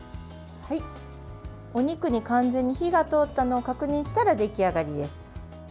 お肉に完全に火が通ったのを確認したら出来上がりです。